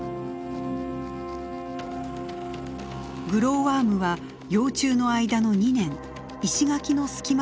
グローワームは幼虫の間の２年石垣の隙間で暮らします。